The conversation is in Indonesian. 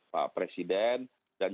pak presiden dan